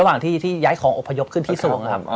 ระหว่างที่ย้ายของอบพยพขึ้นที่ทรวงครับ